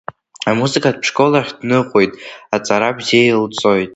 Амузыкатә школ ахь дныҟәоит, аҵара бзианы илҵоит.